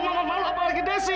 kau mau malu apa lagi desi